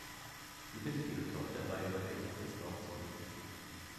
Sie bittet ihre Tochter beiläufig, es aufzuheben.